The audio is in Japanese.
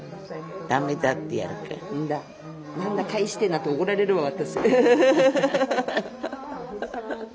「何だ帰して」なんて怒られるわ私。